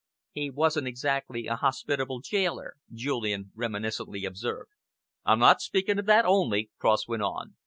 "He wasn't exactly a hospitable gaoler," Julian reminiscently observed. "I'm not speaking of that only," Cross went on.